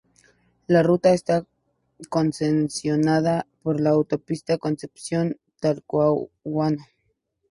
La ruta está concesionada por la Autopista Concepción-Talcahuano.